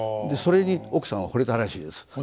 それに奥さんは惚れたらしいです。